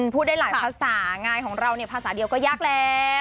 พูดได้หลายภาษางานของเราเนี่ยภาษาเดียวก็ยากแล้ว